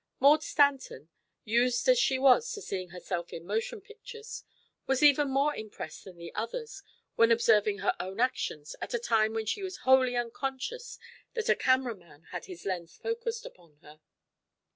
Maud Stanton, used as she was to seeing herself in motion pictures, was even more impressed than the others when observing her own actions at a time when she was wholly unconscious that a camera man had his lens focused upon her.